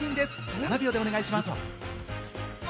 ７秒でお願いします。